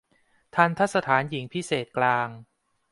ทัณฑสถานหญิงพิเศษกลาง